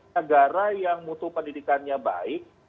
negara yang mutu pendidikannya baik